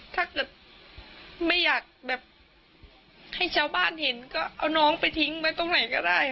ถ้าเกิดไม่อยากแบบให้ชาวบ้านเห็นก็เอาน้องไปทิ้งไว้ตรงไหนก็ได้